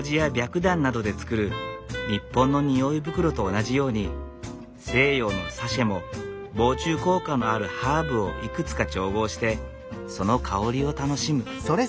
くだんなどで作る日本の匂い袋と同じように西洋のサシェも防虫効果のあるハーブをいくつか調合してその香りを楽しむ。